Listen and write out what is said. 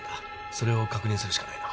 それを確認するしかないな。